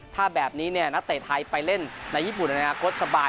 ถ้าแบบนี้นักเตะไทยไปเล่นในญี่ปุ่นในอนาคตสบาย